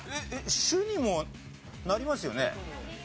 「主」にもなりますよね？